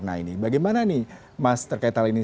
nah ini bagaimana nih mas terkait hal ini